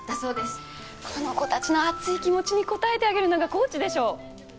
この子たちの熱い気持ちに応えてあげるのがコーチでしょ！